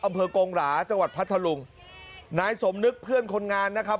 กงหราจังหวัดพัทธลุงนายสมนึกเพื่อนคนงานนะครับ